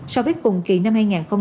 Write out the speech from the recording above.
so với cùng kỳ năm hai nghìn hai mươi